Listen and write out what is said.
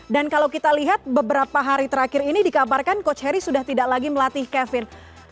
dan kalau kita lihat beberapa hari terakhir ini dikabarkan coach harry sudah tidak lagi melatih kevin